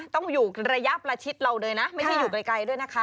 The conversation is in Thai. ต้องอยู่ระยะประชิดเราเลยนะไม่ใช่อยู่ไกลด้วยนะคะ